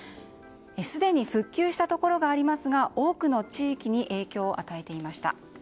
すでに復旧したところがありますが多くの地域に影響を与えていました。